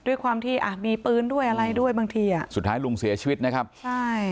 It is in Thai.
ด้วยความที่อ่ะมีปืนด้วยอะไรด้วยบางทีอ่ะสุดท้ายลุงเสียชีวิตนะครับใช่